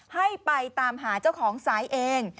ให้ไปตามหาเจ้าของสายเอง